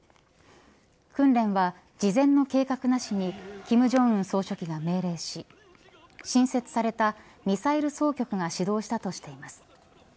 訓練は事前の計画なしに金正恩総書記が命令し新設されたミサイル総局が指導したとしています。